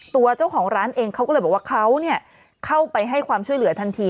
ตัวเจ้าของร้านเองเขาก็เลยบอกว่าเขาเข้าไปให้ความช่วยเหลือทันที